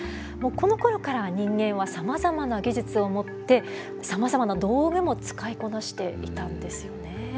このころから人間はさまざまな技術を持ってさまざまな道具も使いこなしていたんですよね。